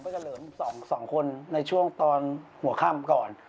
ผมไปกระเหลิม๒คนในช่วงตอนหัวค่ำก่อน